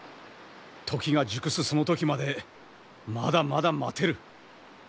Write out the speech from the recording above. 時が熟すその時までまだまだ待てる。